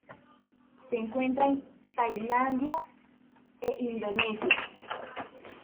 Se encuentra en Tailandia y Indonesia.